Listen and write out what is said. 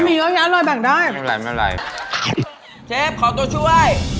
ไม่เป็นไร